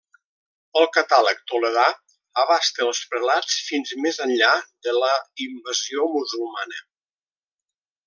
El catàleg toledà abasta els prelats fins més enllà de la invasió musulmana.